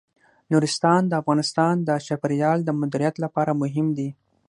نورستان د افغانستان د چاپیریال د مدیریت لپاره مهم دي.